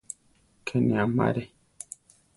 Ke ne amaré.